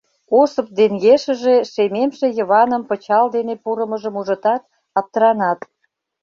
Осып ден ешыже шемемше Йываным пычал дене пурымыжым ужытат, аптыранат.